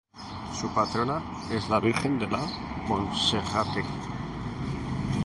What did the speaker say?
Su patrona es la Virgen de la Monserrate.